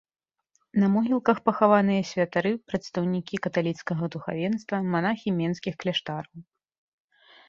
На могілках пахаваныя святары, прадстаўнікі каталіцкага духавенства, манахі менскіх кляштараў.